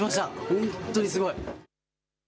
本当にすごい。